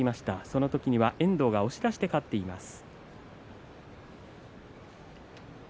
その時は遠藤が押し出して勝っています。